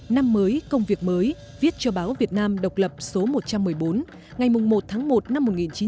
năm mới công việc mới viết cho báo việt nam độc lập số một trăm một mươi bốn ngày một tháng một năm một nghìn chín trăm bảy mươi